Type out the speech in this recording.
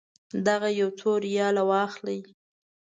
دغه یو څو ریاله واخلئ.